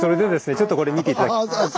ちょっとこれ見て頂き。